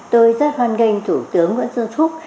tôi rất hoan nghênh thủ tướng nguyễn dương thúc